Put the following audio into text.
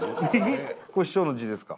これ師匠の字ですか？